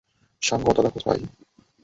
সাঙ্গেয়া দাদা কোথায়?